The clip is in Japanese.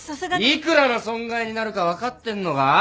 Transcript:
幾らの損害になるか分かってんのか？